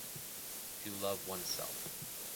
To love oneself.